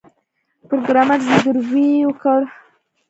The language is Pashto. پروګرامر زګیروی وکړ